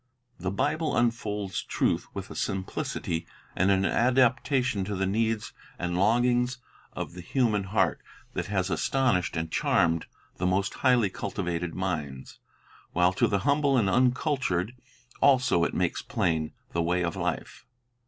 The Bible unfolds truth with a simplicity and an adaptation to the needs and longings of the human heart that has astonished and charmed the most highly cultivated minds, while to the humble and uncultured also it makes plain the way of life.